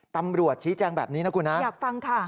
ตำรวจชี้แจงแบบนี้นะคุณนะอยากฟังค่ะ